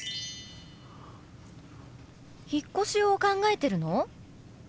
引っ越しを考えてるの？